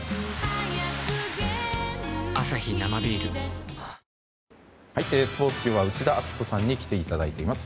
最高の渇きにＤＲＹスポーツ、今日は内田篤人さんに来ていただいています。